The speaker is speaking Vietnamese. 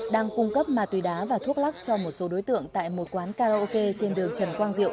đang cung cấp ma túy đá và thuốc lắc cho một số đối tượng tại một quán karaoke trên đường trần quang diệu